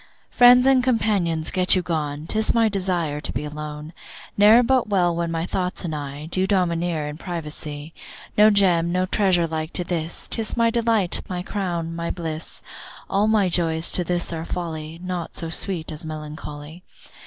Friends and companions get you gone, 'Tis my desire to be alone; Ne'er well but when my thoughts and I Do domineer in privacy. No Gem, no treasure like to this, 'Tis my delight, my crown, my bliss. All my joys to this are folly, Naught so sweet as melancholy.